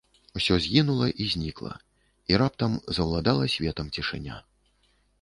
Усё згінула і знікла, і раптам заўладала светам цішыня.